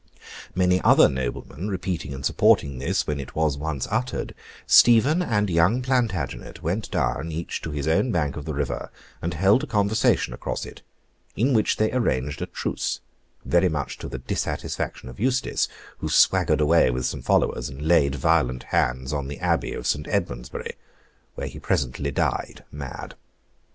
Many other noblemen repeating and supporting this when it was once uttered, Stephen and young Plantagenet went down, each to his own bank of the river, and held a conversation across it, in which they arranged a truce; very much to the dissatisfaction of Eustace, who swaggered away with some followers, and laid violent hands on the Abbey of St. Edmund's Bury, where he presently died mad.